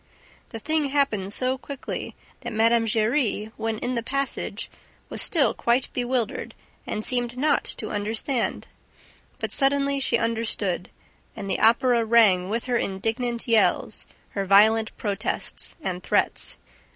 The thing happened so quickly that Mme. Giry, when in the passage, was still quite bewildered and seemed not to understand. But, suddenly, she understood; and the Opera rang with her indignant yells, her violent protests and threats.